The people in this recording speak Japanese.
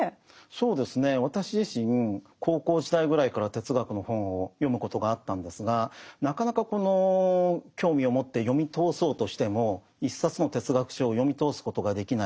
そうですね私自身高校時代ぐらいから哲学の本を読むことがあったんですがなかなかこの興味を持って読み通そうとしても一冊の哲学書を読み通すことができない。